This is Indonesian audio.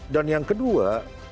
dan yang kedua